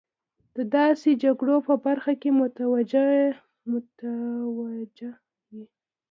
د داسې جګړو په برخه کې متوجه وي.